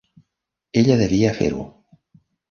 Ella devia fer-ho.